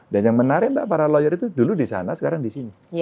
dan yang menarik lah para lawyer itu dulu di sana sekarang di sini